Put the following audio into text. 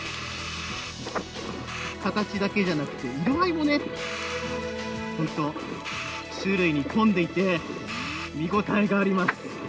形だけじゃなくて色合いも本当、種類に富んでいて見応えがあります。